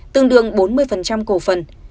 tương đương bốn mươi cổ phần